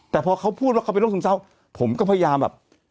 แต่พอเขาพูดว่าเขาเป็นโรคซึมเศร้าผมก็พยายามแบบ